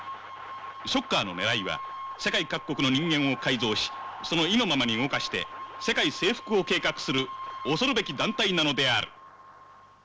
ショッカーのねらいは世界各国の人間を改造しその意のままに動かして世界征服を計画する恐るべき団体なのである。